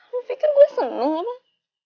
lo pikir gue seneng man